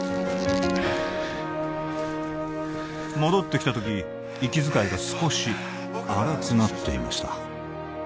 戻ってきた時息遣いが少し荒くなっていました